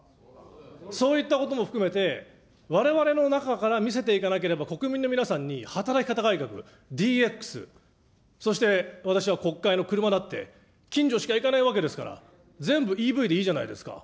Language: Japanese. そういったことも含めて、われわれの中から見せていかなければ、国民の皆さんに働き方改革、ＤＸ、そして私は国会の車だって、近所しか行かないわけですから、全部ＥＶでいいじゃないですか。